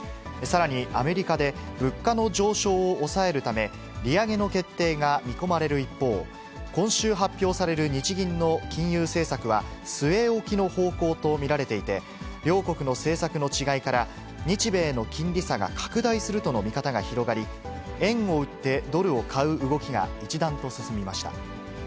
さらにアメリカで、物価の上昇を抑えるため、利上げの決定が見込まれる一方、今週発表される日銀の金融政策は、据え置きの方向と見られていて、両国の政策の違いから、日米の金利差が拡大するとの見方が広がり、円を売ってドルを買う動きが一段と進みました。